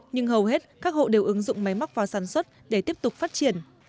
nhưng hầu hết các hộ đều ứng dụng máy móc vào sản xuất để tiếp tục phát triển